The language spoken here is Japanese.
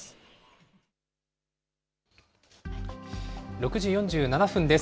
６時４７分です。